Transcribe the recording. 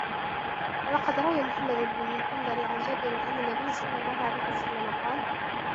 وَقَدْ رَوَى مُحَمَّدُ بْنُ الْمُنْكَدِرِ عَنْ جَابِرٍ أَنَّ النَّبِيَّ صَلَّى اللَّهُ عَلَيْهِ وَسَلَّمَ قَالَ